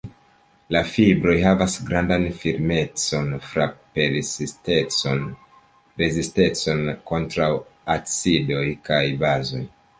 La fibroj havas grandan firmecon, frap-persistecon, rezistecon kontraŭ acidoj kaj bazoj.